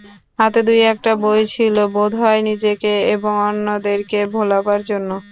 হাতে দুই-একটা বই ছিল, বোধ হয় নিজেকে এবং অন্যদেরকে ভোলাবার জন্যে।